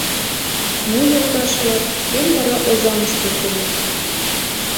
— Ну, йолташ-влак, кӧм вара Озаҥыш колтена.